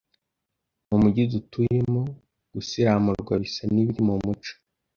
mu mugi dutuyemo gusiramurwa bisa n’ibiri mu muco.